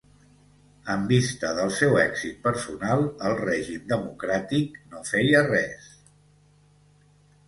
en vista del seu èxit personal el règim democràtic no feia res